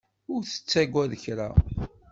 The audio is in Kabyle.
Ur tettagad kra.